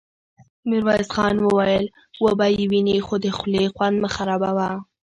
ميرويس خان وويل: وبه يې وينې، خو د خولې خوند مه خرابوه!